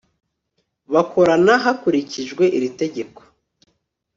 bakorana hakurikijwe iri tegeko